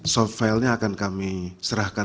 soft filenya akan kami serahkan